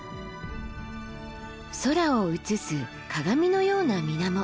空を映す鏡のような水面。